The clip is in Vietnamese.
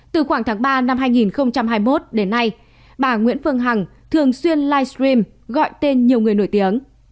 từ khoảng tháng ba năm hai nghìn hai mươi một đến nay bà nguyễn phương hằng thường xuyên livestream gọi tên nhiều người nổi tiếng